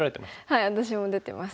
はい私も出てます。